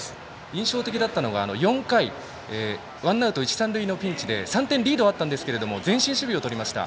印象的だったのが４回、ワンアウト一、三塁のピンチで３点リードはあったんですが前進守備をとりました。